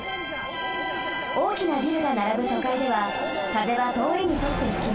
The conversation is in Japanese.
おおきなビルがならぶとかいでは風はとおりにそってふきます。